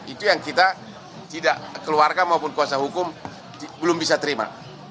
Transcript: itu yang kita tidak keluarkan maupun kuasa hukum belum bisa terima